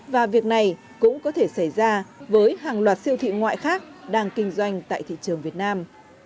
và việc này cũng có thể xảy ra với hàng loạt siêu thị ngoại khác đang kinh doanh tại thị trường việt nam